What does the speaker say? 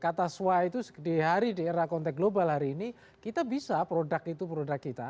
kata swa itu di hari di era konteks global hari ini kita bisa produk itu produk kita